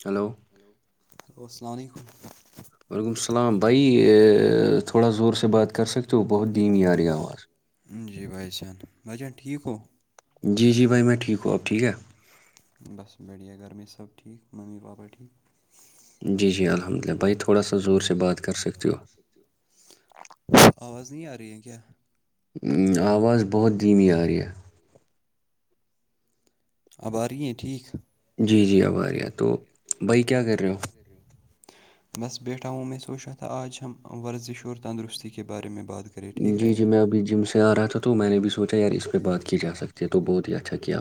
چلو ہیلو السلام علیکم وعلیکم السلام بھائی تھوڑا زور سے بات کر سکتے ہو بہت دیمہی آ رہی آواز جی بھائی جان بھائی جان ٹھیک ہو جی جی بھائی میں ٹھیک ہوں آب ٹھیک ہے بس بڑھیا گھر میں سب ٹھیک ممی پاپا ٹھیک جی جی الحمد للہ بھائی تھوڑا سا زور سے بات کر سکتی ہو آواز نہیں آ رہی ہے کیا آواز بہت دھیمی آ رہی ہے اب آ رہی ہیں ٹھیک جی جی آب آ رہی ہے تو بھائی کیا کر رہے ہو بس بیٹھا ہوں میں سوچا تھا آج ہم ورزش اور تندرستی کے بارے میں بات کرے ٹھیک رہے گا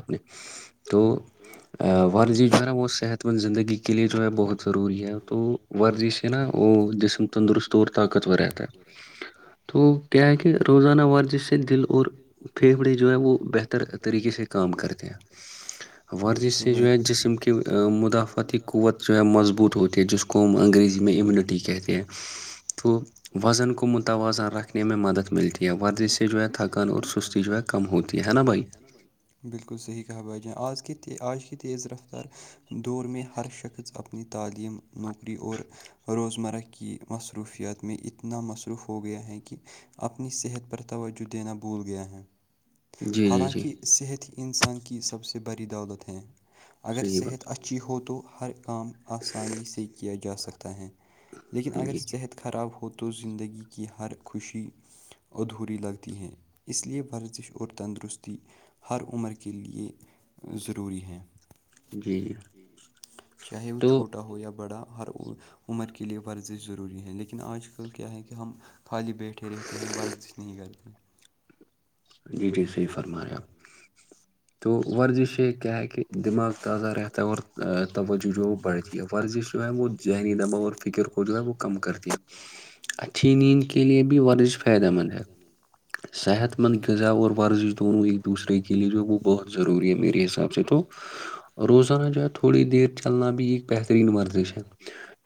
اچھا کیا آپ نے تو ورزش جو ہے نا وہ صحت مند زندگی کے لیے جو ہے بہت ضروری ہے تو ورزش نا وہ جسم تندرست اور طاقتور رہتا ہے تو کیا ہے کہ روزانہ ورزش سے دل اور پھیپھڑے جو ہے وہ بہتر طریقے سے کام کرتے ہیں ورزش سے جو ہے جسم کی مدافعتی قوت جو ہے مضبوط ہوتی ہے جس کو ہم انگریزی میں امیونٹی کہتے ہیں تو وزن کو متوازن رکھنے میں مدد ملتی ہے ورزش سے جو ہے تھکان اور سستی جو ہے کم ہوتی ہے نا بھائی بالکل صحیح کہا بھائی جان آج کتنی آج کتنی تیز رفتار دور میں ہر شخص اپنی تعلیم نوکری اور روزمرہ کی مصروفیات میں اتنا مصروف ہو گیا ہے کہ اپنی صحت پر توجہ دینا بھول گیا ہے حالانکہ صحت ہی انسان کی سب سے بڑی دولت ہے اگر صحت اچھی اچھی ہو تو ہر کام آسانی سے کیا جا سکتا ہے لیکن اگر صحت خراب ہو تو زندگی کی ہر خوشی ادھوری لگتی ہیں اس لیے ورزش اور تندرستی ہر عمر کے لیے ضروری ہیں جی جی چاہے وہ چھوٹا ہو یا بڑا ہو ہر عمر کے لیے ورزش ضروری ہے لیکن آج کل کیا ہے کہ ہم خالی بیٹھے رہتے ہیں ورزش نہیں کرتے جی جی صحیح فرما رہے آپ تو ورزش یہ کیا ہے کہ دماغ تازہ رہتا ہے اور توجہ جو ہے وہ بڑھتی ہے ورزش جو ہے وہ ذہنی دباؤ اور فکر ہو جو ہے وہ کم کرتی ہے اچھی نیند کے لیے بھی ورش فائدہ مند ہے صحت مند غذا اور ورزش دونوں ایک دوسرے کے لیے جو وہ بہت ضروری میرے حساب سے تو روزانہ جو ہے تھوڑی دیر چلنا بھی ایک بہترین ورزش ہے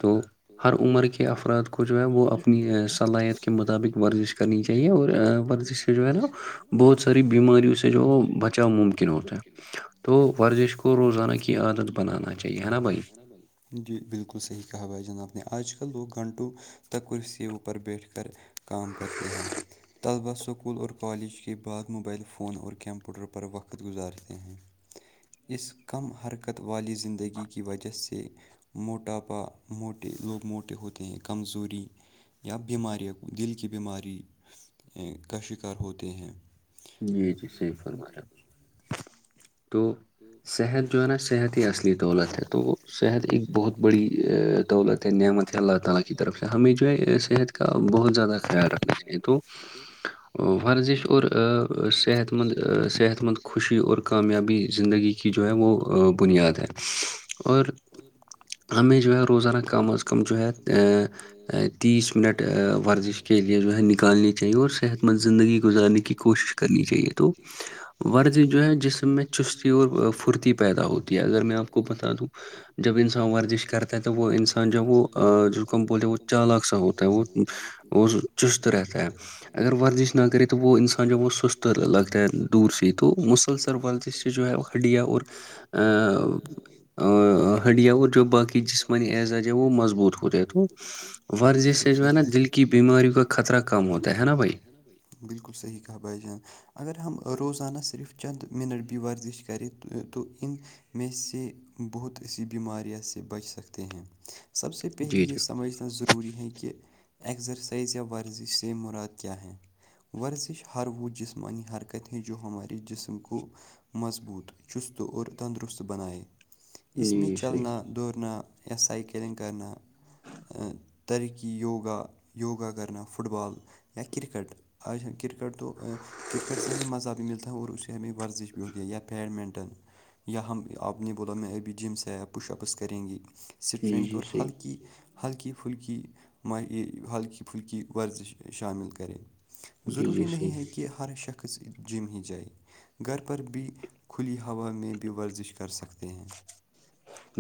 تو ہر عمر کے افراد کو جو ہے وہ اپنی صلاحیت کے مطابق ورزش کرنی چاہیے اور ورزش جو ہے نا بہت ساری بیماریوں سے جو ہے وہ بچاؤ ممکن ہوتا ہے تو ورزش کو روزانہ کی عادت بنانا چاہیے ہے نا بھائی جی بالکل صحیح کہا بھائی جان آپ نے آج کل لوگ گھنٹوں تک کرسیوں پر بیٹھ کر کام کرتے ہیں طلبا سکول اور کالج کے بعد موبائل فون اور کمپیوٹر پر وقت گزار ہیں اس کم حرکت والی زندگی کی وجہ سے موٹاپا موٹے لوگ موٹے ہوتے ہیں کمزوری یا بیماریاں دل کی بیماری کا شکار ہوتے ہیں جی جی صحیح فرما رہا تو صحت جو ہے نا صحت ہی اصلی دولت ہے تو صحت ایک بہت بڑی دولت ہے نعمت اللہ تعالی کی طرف سے ہمیں جو ہے صحت کا بہت زیادہ خیال رکھنا چاہیے تو ورزش اور صحت مند صحت مند خوشی اور کامیابی زندگی کی جو ہے وہ بنیاد ہے اور ہمیں جو ہے روزانہ کم از کم جو ہے تیس منٹ ورزش کے لیے جو وہ ہے نکالنی چاہیے اور صحت مند زندگی گزارنے کی کوشش کر نی چاہیے تو ورد جو ہے جس میں چس پھرتی پیدا ہوتی ہے اگر میں آپ کو بتا دوں جب انسان ورزش کرتا وہ انسان جب وہ ج کو ہم بولے وہ چالاک سا ہوتا ہے وہ چست رہتا ہے اگر ورزش نہ کرے تو وہ انسان جو ہے وہ سست لگتا ہے دور سے تو مسلسل وال ج جو ہے ہڈیا اور ہڈیا اور جو باقی جسم اعزازاج وہ مضبوط خود و ورزش سے و نا دل کی بیماریوں کا خطرہ کم ہوتا ہے نا بھائی بالکل صحیح کہہ بہ جان اگر ہم روزنا صرف چند منٹ ب و زش کرے تو ان میں سے بہت ایسی بیماریاں سے بچ سکتے ہیں سب سے پہلے یہ سمجھنا ضروری ضروری ہے کہ ایگزرسائز یا ورزش سے مراد کیا ہے ورزش ہر وہ جسمانی حرکت ہے جو ہمارے جسم کو مضبوط چست اور تندرست بنائیں اس میں چلنا دن سائیکلنگ کرنا ترقی یوگا یوگا کرنا فٹ بال یا کرکٹ آج کرکٹ تو کرکٹ سے ہمیں مزہ بھی ملتا ہے اور اسے ہمیں ورزش پیا بیڈمنٹن یا ہم آپ نے بولا میں ابھی جم سے پش اپس کریں گی اسٹرنگتھ اور ہلکی ہلکی پھلکی ہلکی پھلکی ورزش شامل کریں ضروری نہیں ہے کہ ہر شخص جم ہی جائے گھر پر بھی کھلی ہوا میں بھی ورزش کر سکتا ہے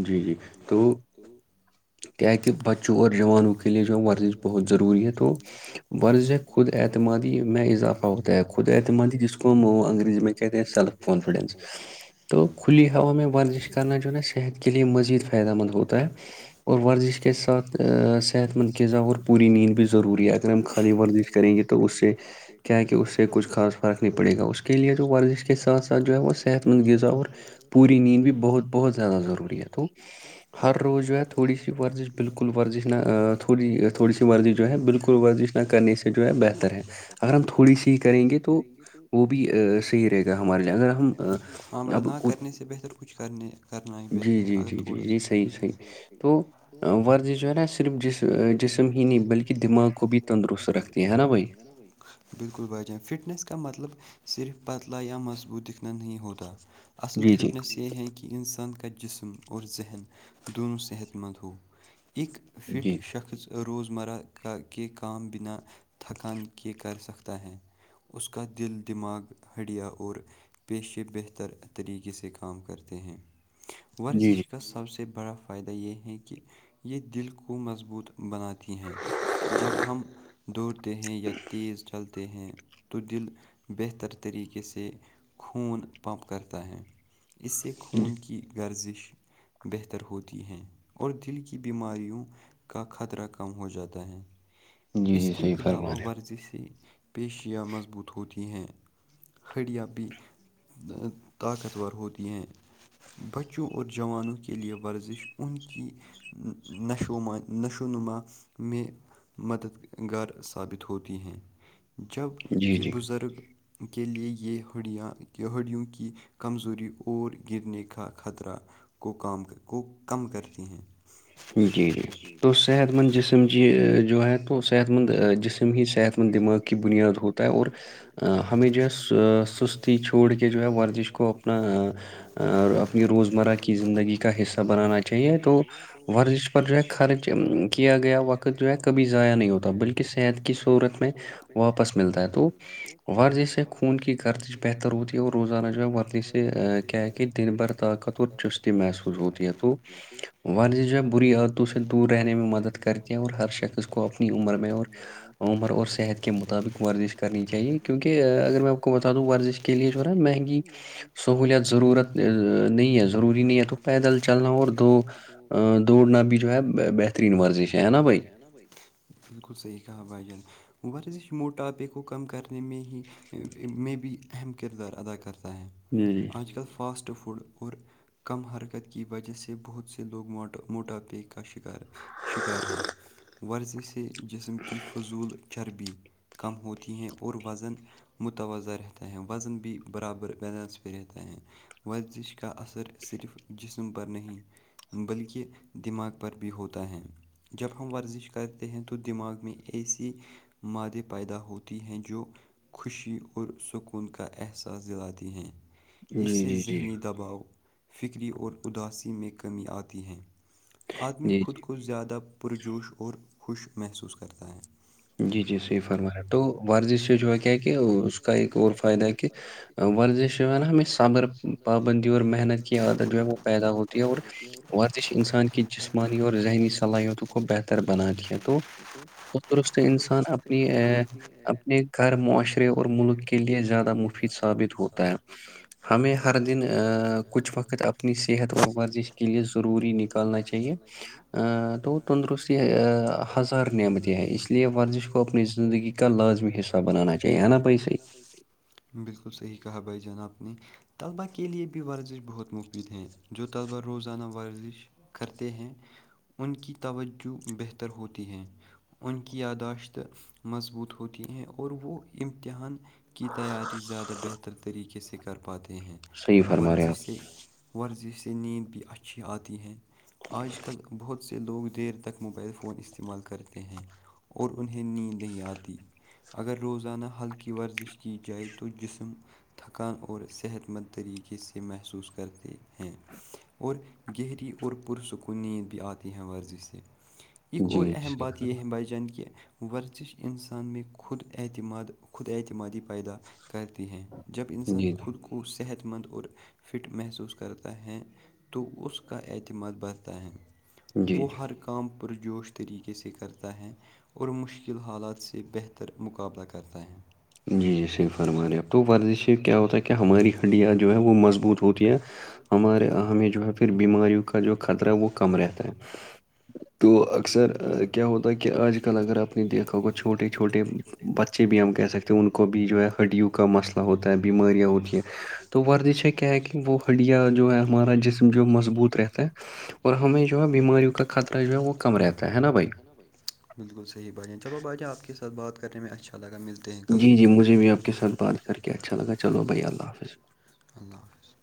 جی جی تو ت کہ بچوں اور جوانوں کے لیے جو ہے ورزش بہت ضروری ہے تو ورزش خود اعتمادی میں اضافہ ہوتا ہے خود اعتمادی جس کو ہم انگریزی میں کہتے ہیں سل کانفیڈینس تو کھلی ہوا میں ب صحت کے م فائدہ م ہوتا ہے ورزش کے ساتھ صحت مند ذہ اور پوری نیند بھی ضروری ہے اگر ہم خالی ورزش کریں گے تو اس سے کیا کہ اس سے کچھ خاص فرق نہیں پڑے گا اس کے لیے جو ورزش کے ساتھ ساتھ جو ہے وہ صحت مند غذا اور پوری نیند بھی بہت بہت زیادہ ضروری ہے ہو ہر روز جو ہے تھوڑی سی ورزش بالکل ورزش نہ تھوڑی تھوڑی سی ورزش جو ہے بالکل ورزش نہ کرنے سے جو ہے بہتر ہے اگر ہم تھوڑی سی کریں گے تو وہ بھی صحیح رہے گا ہمارے لیے اگر ہم ہاں بھائی نہ کرنے سے بہتر کچھ کرنے جی جی جی جی جی صحیح صحیح تو ورزش جو ہے نا صرف جس جسم ہی نہیں بلکہ دماغ کو بھی تندرست رکھتی ہے نا بھائی بالکل با جان فٹنیس کا مطلب صرف پتلا یا مضبوط دکھنا نہیں ہوتا اصل فٹنس یہ ہے کہ انسان کا جسم اور ذہن دونوں صحت مند ہو اق فٹ شخص روزمرہ کا کے کام بنا تھکان کے کر سکتا ہے اس کا دل دماغ ہٹیا اور پیشے بہتر طریقے سے کام کرتے ہیں ورزش کا سب سے بڑا فائدہ یہ ہے کہ یہ دل کو مضبوط بناتی ہیں جب ہم دوڑتے ہیں یا تیز چلتے ہیں تو دل بہتر طریقے سے خون پمپ کرتا ہے اس سے خون کی ورزش بہتر ہوتی ہے اور دل کی کی بیماریوں کا خطرہ کم ہو جاتا ہے اس کے علاوہ ورزش پیشیاں مضبوط ہوتی ہیں ہڑیاں بھی طاقتور ہوتی ہیں بچوں اور جوانوں کے لیے ورزش ان کی نشو ما نشوونما میں مددگار ثابت ہوتی ہیں جب کہ بزرگ کے لیے یہ ہڈیاں ہڈیوں کی کمزوری اور گرنے کا خطرہ کو کام کو کم کرتی ہیں جی جی تو صحت مند جسم جی جو ہے تو صحت مند جسم ہی صحت مند دماغ کی بنیاد ہوتا ہے اور ہمیں جو ہے سستی چھوڑ کے جو ہے ورزش کو اپنا اور اپنی روزمرہ کی زندگی کا حصہ بنانا چاہیے تو ورزش پر جو ہے خرچ کیا گیا وقت جو ہے کبھی ضائع نہیں ہوتا بلکہ صحت کی صورت میں واپس ملتا ہے تو ورزہ سے کوود خون کی غ تجش بہتر رتی ہے اور روزانہ جو وردی سے کیا کہ دن بھر طاقت اور چست محسوس ہوتی ہے تو ورض جو ہے بری عادتوں سے دور رہنے میں مدد کرتی ہیں اور ہر شخص کو اپنی عمر میں اور عمر اور صحت کے مطابق ورزش کرنی چاہیے کیونکہ اگر میں آپ کو بتا دوں ورزش کے لیے جو ہے نا مہنگی سہولت ضرورت نہیں ہے ضروری نہیں ہے تو پیدل چلنا اور دو دوڑنا بھی جو ہے بہترین ورزش ہے نا بھائی بالکل صحیح کہ بجن ورزش موٹاپک ہو کم کرنے میں ہی میں بھی اہم کردار ادا کرتا ہے آج کل فاسٹ فوڈ اور کم حرکت کی وجہ سے بہت سے لوگ موٹاپے کا شکار شکار ہیں ورزش سے جسم کی فضول چربی کم ہوتی ہیں اور وزن متوازہ رہتا ہے وزن بھی برابر بیلنس بھی رہتا ہے ورزش کا اثر صرف جسم پر نہیں بلکہ دماغ پر بھی ہوتا ہے جب ہم ورزش کرتے ہیں تو دماغ میں ایسی مادیں پیدا ہوتی ہیں جو خوشی اور سکون کا احساس دلاتی ہیں اس سے ذہنی دباؤ فکری اور اداسی میں کمی آتی ہے آدمی خود کو زیادہ پرجوش اور خوش محسوس کرتا ہے جی جی صحیح فرما ہے تو ورزش سے جو ہے کیا کہ اس کا ایک اور فائدہ ہے کہ ورزش جو ہے نا ہمیں صبر پابندی اور محنت کی عادت جو ہے وہ پیدا ہوتی ہے اور ورزش انسان کی جسمانی اور ذہنی صلاحیتوں کو بہتر بناتی ہے تو ہاں تندرست انسان اپنی اپنے گھر معاشرے اور ملک کے لیے زیادہ مف زیادہ مفید ثابت ہوتا ہے ہمیں ہر دن کچھ وقت اپنی صحت و ورزش کے لیے ضروری نکالنا چاہیے تو تندرستی ہے ہزار نمت اس لیے ورزش کو اپنی زندگی کا لازمی حصہ بنانا چاہیے نا بھسے ہی بالکل صحیح کہا بھائی جانا اپ نے طلبا کے لیے بھی ورزش بہت مفید ہیں جو طلبا روزانہ ورزش کرتے ہیں ان کی توجہ بہتر ہوتی ہے ان کی یاداشت مضبوط ہوتی ہیں اور وہ امتحان کی تیاری زیادہ بہتر طریقے سے کر پاتے ہیں ورزش سے ورزش سے نیند بھی اچھی آتی ہے آج کل بہت سے لوگ دیر تک موبائل فون استعمال کرتے ہیں اور انہیں نیند نہیں آتی اگر روزانہ ہل کیی ورزش کی جائے تو جسم تھکان اور صحت مند طریقے سے محسوس کرتے ہیں اور گہری اور پرسک نیند آتی ہیں ورزی سے ایک اور اہم بات یہ ہے بھائی جان کہ ورزش انسان میں خود اعتماد خود اعتمادی پیدا کرتی ہے جب انسان خود کو صحت مند اور فٹ محسوس کرتا ہے تو اس کا اعتماد بڑھتا ہے وہ ہر کام پرجوش طریقے سے کرتا ہے اور مشکل حالات سے بہتر مقابلہ کرتا ہے جی جی صرف فرما رہے ہیں اب تو ورزش سے کیا ہوتا ہے کہ ہماری ہنڈیاں جو ہے وہ مضبوط ہوتی ہیں ہمارے یہیں جو ہے پھر بیماریوں کا جو خطرہ ہے وہ کم رہتا ہے [unintelligible] تو اکثر کیا ہوتا ہے کہ آج کل اگر آپ نے دیکھا ہو کو چھوٹے چھوٹے چھوٹیے ہم کہہ سکتے ان کو بھی جو ہے ہڈیو کا مسئلہ ہوتا ہے بیماریاں ہوتی ہیں تو ورزش ہے کیا ہے کہ وہ ہھڈیا جو ہے ہمارا جسم جو مضبوط رہتا ہے اور ہم جو ہے بیماریوں کا خطرہ جو ہے وہ کم رہتا ہے نا بھائی بالکل صحیح بھجں چلو بھائی جان آپ کے ساتھ بات کرنے میں اچھا لگا م جی جی مجھے بھی آپ کے ساتھ بات کر کے اچھا لگا چلو بھائی اللہ حافظ اللہ حافظ